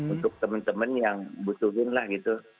untuk teman teman yang butuhin lah gitu